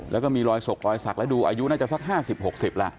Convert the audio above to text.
แล้วก็มีรอยศกรอยสักแล้วดูอายุน่าจะสัก๕๐๖๐แล้ว